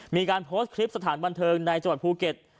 มีการพลสทธิปสถานบันเทิงในภูเก็ต